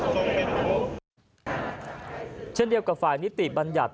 นายพรเพชรชนลชัยประธานสภานิติบัญญัติแห่งชาติ